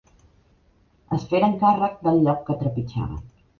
Es feren càrrec del lloc que trepitjaven.